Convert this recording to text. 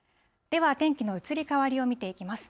では天気の移り変わりを見ていきます。